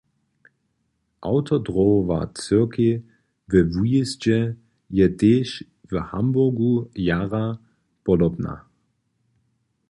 Awtodróhowa cyrkej we Wujězdźe je tej w Hamburgu jara podobna.